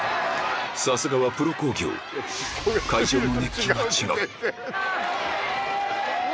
さすがはプロ興行会場の熱気が違ううわ！